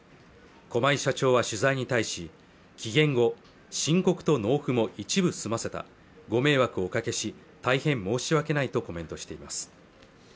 駒井社長は取材に対し期限後申告と納付も一部済ませたご迷惑をおかけし大変申し訳ないとコメントしています